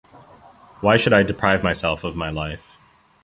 Why should I deprive myself of my life?